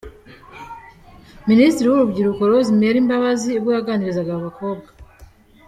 Minisitiri w'urubyiruko Rose Mary Mbabazi ubwo yaganirizaga aba bakobwa.